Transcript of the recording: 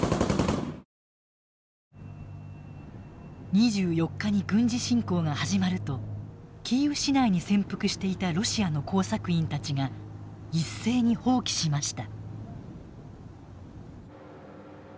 ２４日に軍事侵攻が始まるとキーウ市内に潜伏していたロシアの工作員たちが一斉に蜂起しました。